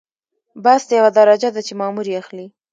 بست یوه درجه ده چې مامور یې اخلي.